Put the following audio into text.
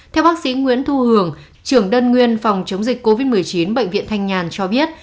theo bác sĩ nguyễn thu hường trưởng đơn nguyên phòng chống dịch covid một mươi chín bệnh viện thanh nhàn cho biết